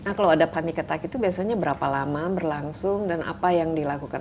nah kalau ada panic attack itu biasanya berapa lama berlangsung dan apa yang dilakukan